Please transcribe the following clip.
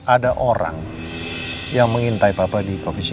ada orang yang mengintai papa di coffee city